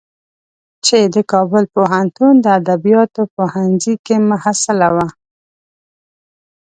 چې د کابل پوهنتون د ادبیاتو پوهنځی کې محصله وه.